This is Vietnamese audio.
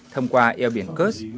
thông qua eo biển kerch